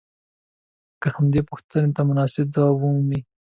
که همدې پوښتنې ته مناسب ځواب ومومئ.